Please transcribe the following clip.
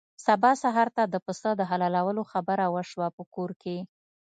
سبا سهار ته د پسه د حلالولو خبره وشوه په کور کې.